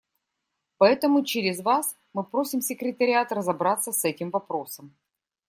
Поэтому через Вас мы просим секретариат разобраться с этим вопросом.